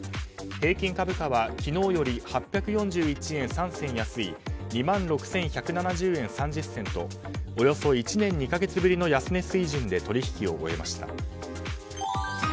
平均株価は昨日より８４１円３銭安い２万６１７０円３０銭とおよそ１年２か月ぶりの安値水準で、取引を終えました。